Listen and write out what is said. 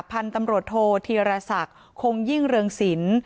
พันธุ์ตำรวจโทษธีรศักดิ์คงยิ่งเรืองศิลป์